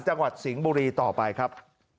จังหวัดสิงห์บุรีต่อไปครับ